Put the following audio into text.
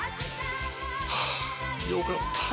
はぁよかった。